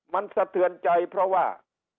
มันสะเทือนใจเพราะว่า